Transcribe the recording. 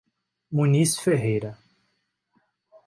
Muniz Ferreira